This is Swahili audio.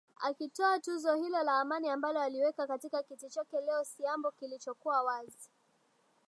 akitoa tuzo hilo la amani ambalo aliweka katika kiti chake leo siambo kilichokuwa wazi